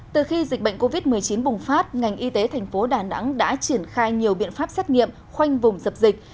từ khi dịch bệnh covid một mươi chín bùng phát ngành y tế thành phố đà nẵng đã triển khai nhiều biện pháp xét nghiệm khoanh vùng dập dịch